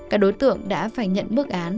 các đối tượng đã phải nhận bức án